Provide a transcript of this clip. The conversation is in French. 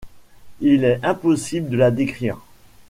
Il est impossible de la décrire.